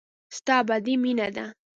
ستا ابدي مينه ده.